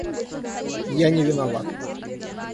Я не виноват.